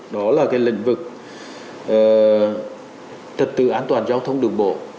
đó là lĩnh vực thật tự an toàn giao thông đường bộ